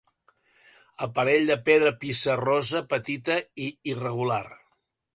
Aparell de pedra pissarrosa petita i irregular.